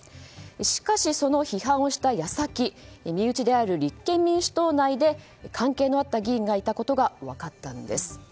しかし、その批判をした矢先身内である立憲民主党内で関係のあった議員がいたことが分かったんです。